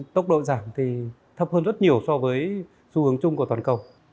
tốc độ giảm thì thấp hơn rất nhiều so với xu hướng chung của toàn cầu